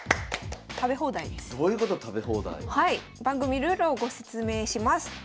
番組ルールをご説明します。